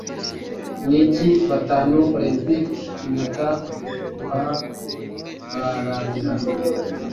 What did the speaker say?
Ni iki Batanu Olempike impeta Guhagararira